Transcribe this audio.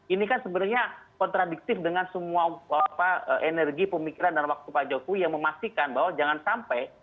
ini kan sebenarnya kontradiktif dengan semua energi pemikiran dan waktu pak jokowi yang memastikan bahwa jangan sampai